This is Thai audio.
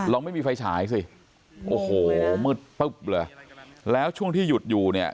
เราไม่มีไฟฉายสิโอ้โหมืดแล้วช่วงที่หยุดอยู่เนี่ย